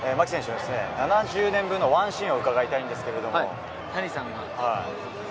７０年分のワンシーンをうかがいたいんですけど。